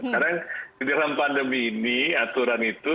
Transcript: karena di dalam pandemi ini aturan itu